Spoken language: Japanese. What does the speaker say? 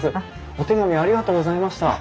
お手紙ありがとうございました。